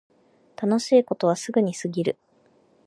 楽しいことはすぐに過ぎる